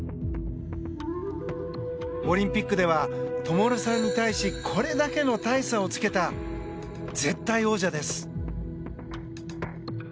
オリンピックでは灯さんに対しこれだけの大差をつけた絶対王者です。